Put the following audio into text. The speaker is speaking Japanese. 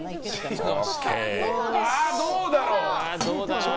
どうだろう。